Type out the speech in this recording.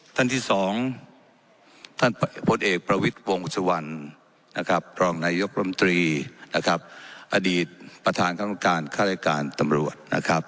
ท่านที่สองท่านพลตเอกประวิทย์วงศวรรณพรองนายยกรมตรีอดีตประธานการข้ารายการตำรวจ